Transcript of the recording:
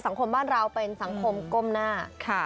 บ้านเราเป็นสังคมก้มหน้า